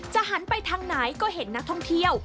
หันไปทางไหนก็เห็นนักท่องเที่ยว